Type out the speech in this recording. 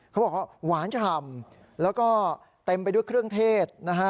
เขาบอกว่าหวานฉ่ำแล้วก็เต็มไปด้วยเครื่องเทศนะฮะ